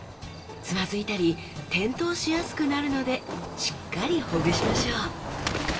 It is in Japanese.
つまずいたり転倒しやすくなるのでしっかりほぐしましょう